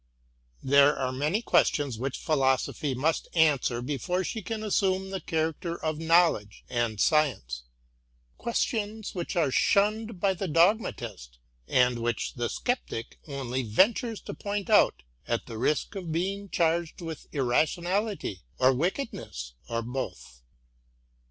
There are many questions which Philosophy must answer before she can assume the character of knowledge and science :— questions which are shunned by the Dogmatist, and which the Sceptic only ventures to point out at the risk of being charged with irrationality or wickedness, or both.